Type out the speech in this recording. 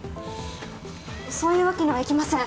そういうわけにはいきません